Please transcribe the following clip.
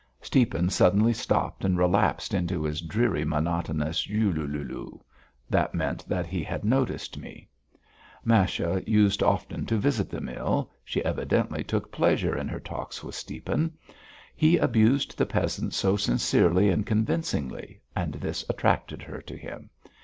Stiepan suddenly stopped and relapsed into his dreary, monotonous "U lu lu lu." That meant that he had noticed me. Masha used often to visit the mill, she evidently took pleasure in her talks with Stiepan; he abused the peasants so sincerely and convincingly and this attracted her to him.